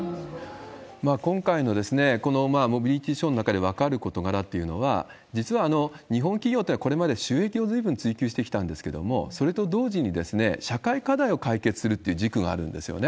今回のこのモビリティショーの中で分かる事柄というのは、実は日本企業というのはこれまで収益をずいぶん追究してきたんですけれども、それと同時に、社会課題を解決するという軸があるんですよね。